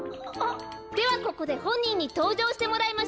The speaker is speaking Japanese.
ではここでほんにんにとうじょうしてもらいましょう。